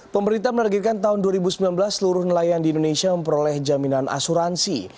pemerintah menargetkan tahun dua ribu sembilan belas seluruh nelayan di indonesia memperoleh jaminan asuransi